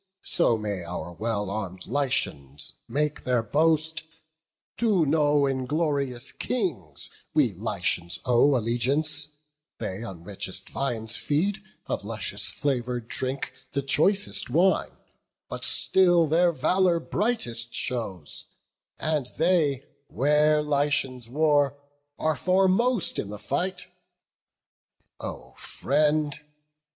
So may our well arm'd Lycians make their boast; 'To no inglorious Kings we Lycians owe Allegiance; they on richest viands feed; Of luscious flavour drink the choicest wine; But still their valour brightest shows; and they, Where Lycians war, are foremost in the fight!' O friend!